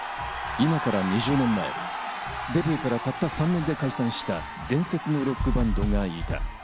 今から２０年前、デビューからたった３年で解散した伝説のロックバンドがいた。